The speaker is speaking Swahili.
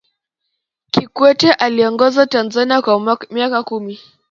kikwete aliongoza tanzania kwa miaka kumi